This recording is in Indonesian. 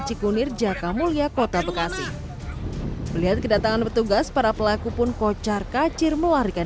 cikunir jaka mulia kota bekasi melihat kedatangan petugas para pelaku pun kocar kacir melarikan